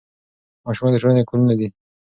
ماشومان د ټولنې ګلونه دي.